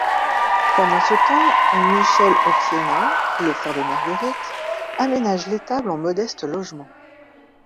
Pendant de temps, Michel Occhiena, le frère de Marguerite, aménage l'étable en modeste logement.